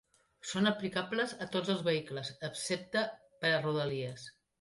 Són aplicables a tots els vehicles, excepte per a Rodalies.